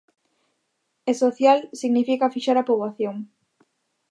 E social significa fixar a poboación.